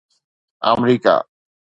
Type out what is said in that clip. آمريڪا